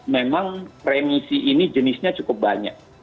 memang remisi ini jenisnya cukup banyak